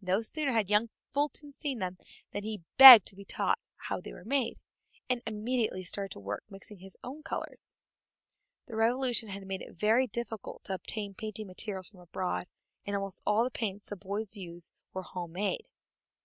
No sooner had young Fulton seen them than he begged to be taught how they were made, and immediately started to work mixing his own colors. The Revolution had made it very difficult to obtain painting materials from abroad, and almost all the paints the boys used were home made.